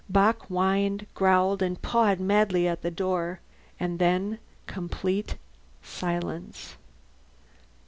Bock whined, growled, and pawed madly at the door. And then complete silence.